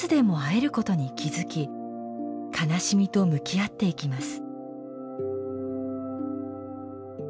悲しみと向き合っていきます。